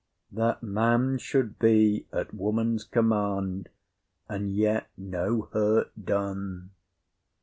That man should be at woman's command, and yet no hurt done!